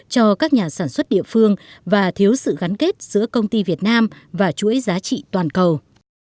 cho các nhà sản xuất địa phương và thiếu sự gắn kết giữa công ty việt nam và chuỗi giá trị toàn cầu